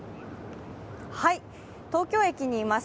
東京駅にいます。